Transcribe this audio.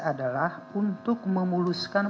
adalah untuk memuluskan